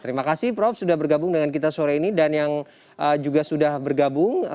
terima kasih prof sudah bergabung dengan kita sore ini dan yang juga sudah bergabung